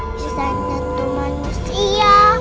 bisa nyentuh manusia